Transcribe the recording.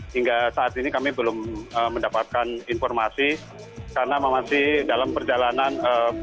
hingga saat ini kami belum mendapatkan informasi karena masih dalam perjalanan